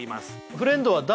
フレンドは誰？